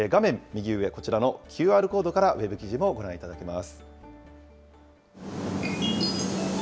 右上、こちらのＱＲコードからウェブ記事もご覧いただけます。